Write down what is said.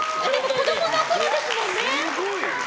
子供のころですもんね。